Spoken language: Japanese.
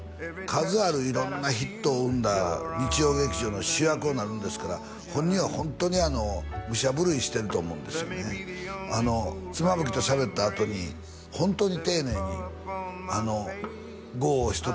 数ある色んなヒットを生んだ日曜劇場の主役になるんですから本人はホントに武者震いしてると思うんですよね妻夫木としゃべったあとにホントに丁寧に「剛をひとつ」